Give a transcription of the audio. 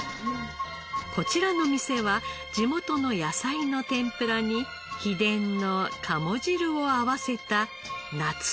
こちらの店は地元の野菜の天ぷらに秘伝の鴨汁を合わせた夏そばが大人気！